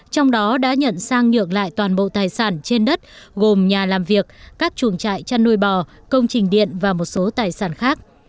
trong đó đã nhận sang nhượng lại toàn bộ tài sản trên đất gồm nhà làm việc các chuồng trại chăn nuôi bò công trình điện và một số tài sản khác